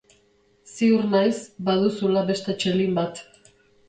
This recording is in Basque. Ziur naiz baduzula beste txelin bat.